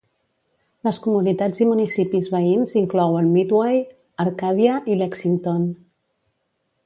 Les comunitats i municipis veïns inclouen Midway, Arcadia i Lexington.